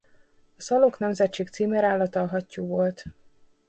A Szalók nemzetség címerállata a hattyú volt.